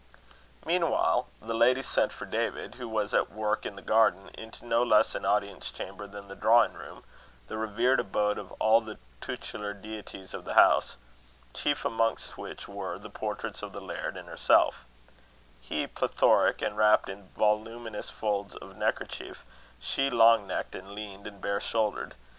Meanwhile the lady sent for David, who was at work in the garden, into no less an audience chamber than the drawing room, the revered abode of all the tutelar deities of the house; chief amongst which were the portraits of the laird and herself: he, plethoric and wrapped in voluminous folds of neckerchief she long necked, and lean, and bare shouldered.